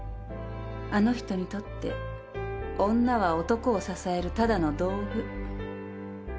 あの人にとって女は男を支えるただの道具。